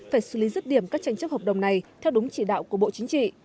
phải xử lý rứt điểm các tranh chấp hợp đồng này theo đúng chỉ đạo của bộ chính trị